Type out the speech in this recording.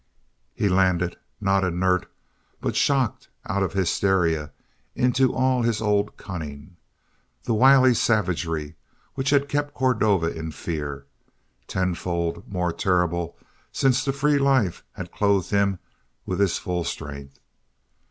He landed, not inert, but shocked out of hysteria into all his old cunning that wily savagery which had kept Cordova in fear, ten fold more terrible since the free life had clothed him with his full strength.